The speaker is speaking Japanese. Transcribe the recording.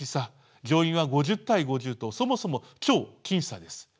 上院は５０対５０とそもそも超僅差です。